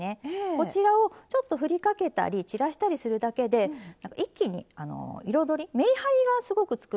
こちらをちょっとふりかけたり散らしたりするだけで一気に彩りめりはりがすごくつくんです。